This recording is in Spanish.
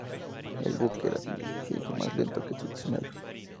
El buque era significativamente más lento que sus gemelos.